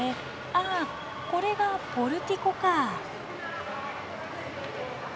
あこれがポルティコかあ。